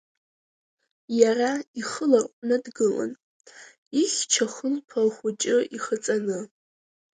Иара ихы ларҟәны дгылан, ихьча хылԥа хәыҷы ихаҵаны.